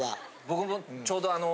僕もちょうどあの。